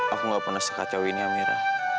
aku gak pernah sekacauin ya amira